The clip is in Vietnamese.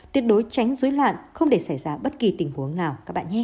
tiết đối tránh dối loạn không để xảy ra bất kỳ tình huống nào